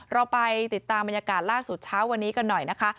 เราไปติดตามบรรยากาศล่าสุดเช้าวันนี้กันหน่อยนะคะ